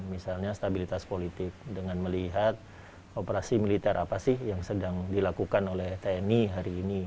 misalnya stabilitas politik dengan melihat operasi militer apa sih yang sedang dilakukan oleh tni hari ini